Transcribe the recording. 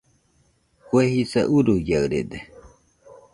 Kue jisa uruiaɨrede